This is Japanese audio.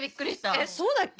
えっそうだっけ？